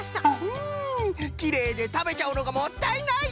うんきれいでたべちゃうのがもったいない！